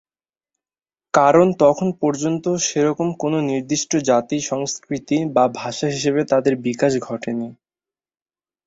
কারণ তখনও পর্যন্ত সেরকম কোনও নির্দিষ্ট জাতি, সংস্কৃতি বা ভাষা হিসেবে তাদের বিকাশ ঘটেনি।